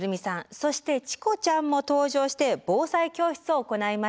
そしてチコちゃんも登場して防災教室を行いました。